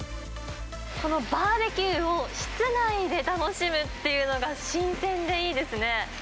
このバーベキューを室内で楽しむっていうのが、新鮮でいいですね。